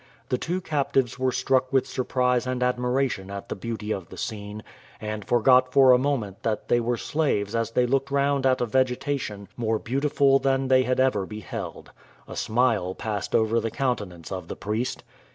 The two captives were struck with surprise and admiration at the beauty of the scene, and forgot for a moment that they were slaves as they looked round at a vegetation more beautiful than they had ever beheld. A smile passed over the countenance of the priest.